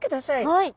はい。